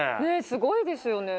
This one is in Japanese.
すごいですよね。